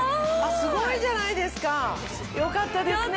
すごいじゃないですか。よかったですね。